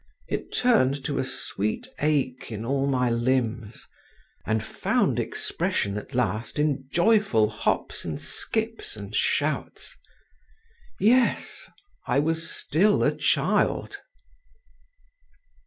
It turned to a sweet ache in all my limbs and found expression at last in joyful hops and skips and shouts. Yes, I was still a child.